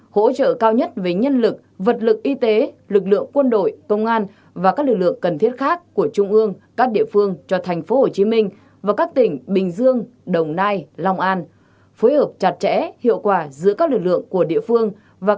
hai hỗ trợ cao nhất với nhân lực vật lực y tế lực lượng quân đội công an và các lực lượng cần thiết khác của trung ương các địa phương